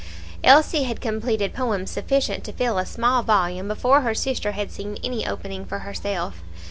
Elsie had completed poems sufficient to fill a small volume before her sister had seen any opening for herself.